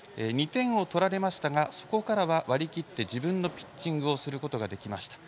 ２点を取られましたがそこからは割り切って自分のピッチングをすることができました。